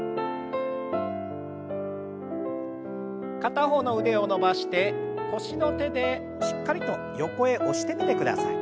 片方の腕を伸ばして腰の手でしっかりと横へ押してみてください。